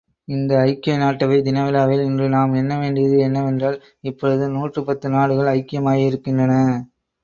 இந்த ஐக்கிய நாட்டவை தினவிழாவில் இன்று நாம் எண்ண வேண்டியது என்னவென்றால், இப்பொழுது நூற்றி பத்து நாடுகள் ஐக்கியமாகியிருக்கின்றன.